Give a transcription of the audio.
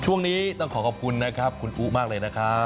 ช่วงนี้ต้องขอขอบคุณนะครับคุณอุ๊มากเลยนะครับ